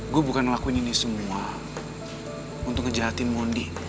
gue bukan ngelakuin ini semua untuk ngejahatin mondi